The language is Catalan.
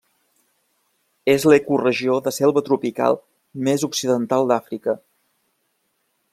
És l'ecoregió de selva tropical més occidental d'Àfrica.